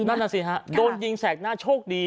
นั่นน่ะสิฮะโดนยิงแสกหน้าโชคดี